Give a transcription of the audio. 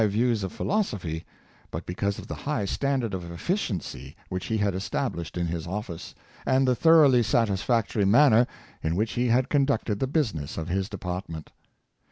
361 views of philosophy, but because of the high standard of efficiency which he had estabHshed in his office, and the thoroughly satisfactory manner in which he had conducted the business of his department.